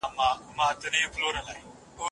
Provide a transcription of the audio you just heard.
ښوونځي او پوهنتونونه د روښانه راتلونکي تضمین دي.